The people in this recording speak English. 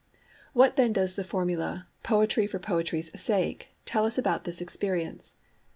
What then does the formula 'Poetry for poetry's sake' tell us about this experience?